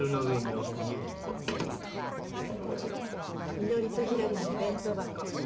みのりとひらりのお弁当箱。